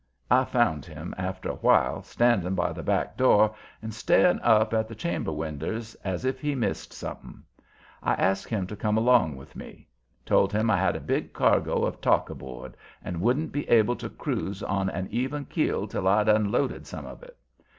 I found him, after a while, standing by the back door and staring up at the chamber winders as if he missed something. I asked him to come along with me. Told him I had a big cargo of talk aboard, and wouldn't be able to cruise on an even keel till I'd unloaded some of it.